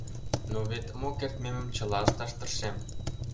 но вет мо кертмемым чыла ышташ тыршем.